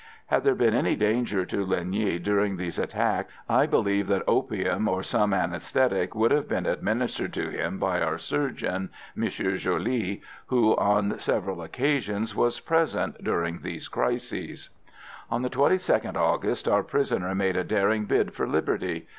Had there been any real danger to Linh Nghi during these attacks I believe that opium, or some anæsthetic, would have been administered to him by our surgeon, M. Joly, who, on several occasions, was present during these crises. On the 22nd August our prisoner made a daring bid for liberty.